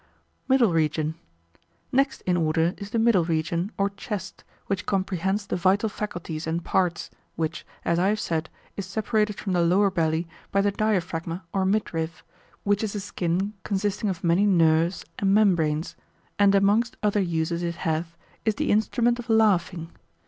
Middle Region.] Next in order is the middle region, or chest, which comprehends the vital faculties and parts; which (as I have said) is separated from the lower belly by the diaphragma or midriff, which is a skin consisting of many nerves, membranes; and amongst other uses it hath, is the instrument of laughing.